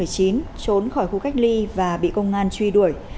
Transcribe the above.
trốn khỏi khu cách ly và bị công an truy đuổi